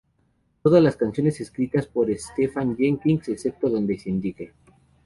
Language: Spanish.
Todas las canciones escritas por Stephan Jenkins, excepto donde se indica.